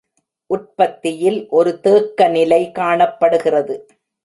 உற்பத்தியில் ஒரு தேக்க நிலை காணப்படுகிறது